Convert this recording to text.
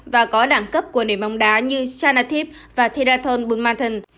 và có đẳng cấp của nền mong đá như chao natip và theraton bunmatan